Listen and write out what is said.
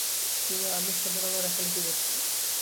তিনি আমির ছদ্মনামে লেখালেখি করতেন।